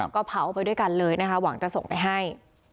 ก็เผาไปด้วยกันเลยนะคะหวังจะส่งไปให้